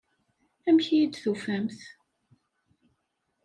Amek iyi-d-tufamt?